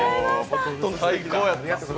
最高やった。